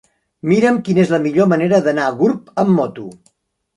Mira'm quina és la millor manera d'anar a Gurb amb moto.